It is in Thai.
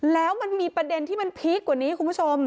แล้วมันมีประเด็นที่มันพีคกว่านี้คุณผู้ชม